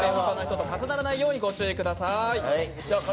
重ならないようにご注意ください。